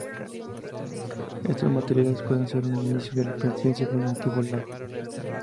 Estos materiales pueden ser un indicio de la presencia de un antiguo lago.